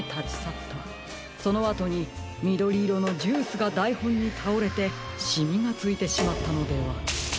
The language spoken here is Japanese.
そのあとにみどりいろのジュースがだいほんにたおれてしみがついてしまったのでは。